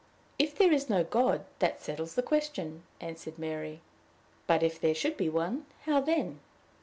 "If there is no God, that settles the question," answered Mary. "But, if there should be one, how then?"